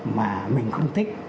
mà mình không thích